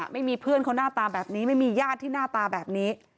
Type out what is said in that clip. ไม่มีเพื่อนเขาหน้าตาแบบนี้ไม่มีญาติที่หน้าตาแบบนี้